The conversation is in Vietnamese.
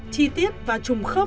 chi tiết và chùm khớp